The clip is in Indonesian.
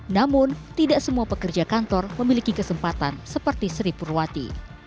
namun tidak semua pekerja kantor memiliki kesempatan seperti sri purwati